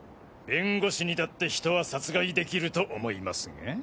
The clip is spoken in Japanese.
弁護士にだって人は殺害できると思いますが？